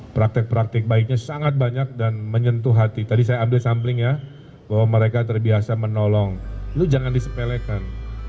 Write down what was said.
praktek praktik baiknya sangat banyak dan menyentuh hati tadi saya ambil sampling ya bahwa mereka terbiasa menolong lu jangan disepelekan